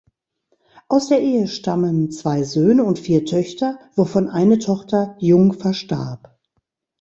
Aus der Ehe stammen zwei Söhne und vier Töchter, wovon eine Tochter jung verstarb.